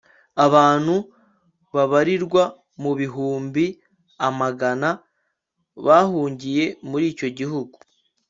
abantu babariwa mu bihumbi amagana bahungiye muri icyo gihugu